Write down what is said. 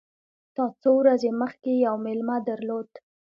تا څو ورځي مخکي یو مېلمه درلود !